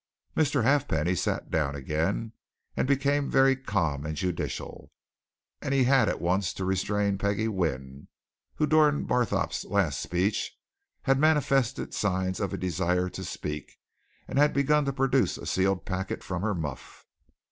Mr. Halfpenny sat down again and became very calm and judicial. And he had at once to restrain Peggie Wynne, who during Barthorpe's last speech had manifested signs of a desire to speak, and had begun to produce a sealed packet from her muff.